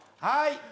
はい。